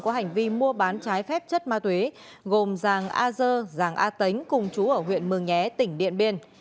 có hành vi mua bán trái phép chất ma túy gồm giàng a dơ giàng a tính cùng chú ở huyện mường nhé tỉnh điện biên